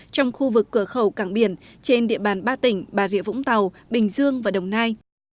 trong khu vực cửa khẩu càng biển trên địa bàn ba tỉnh bà rịa vũng tàu bình dương và đồng nai